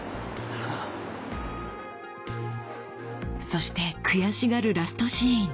そして悔しがるラストシーン。